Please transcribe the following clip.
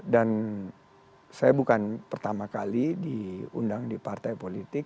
dan saya bukan pertama kali diundang di partai politik